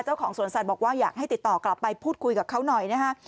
เจ้าของสวนสัตว์บอกว่าอยากให้ติดต่อกลับไปพูดคุยกับเขาหน่อยนะฮะ